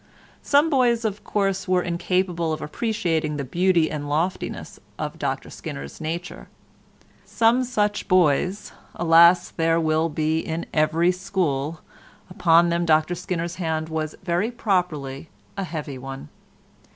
Some boys, of course, were incapable of appreciating the beauty and loftiness of Dr Skinner's nature. Some such boys, alas! there will be in every school; upon them Dr Skinner's hand was very properly a heavy one.